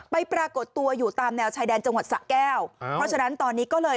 ปรากฏตัวอยู่ตามแนวชายแดนจังหวัดสะแก้วเพราะฉะนั้นตอนนี้ก็เลย